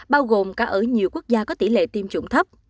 bao gồm cả ở nhiều quốc gia có tỷ lệ tiêm chủng thấp